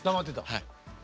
はい。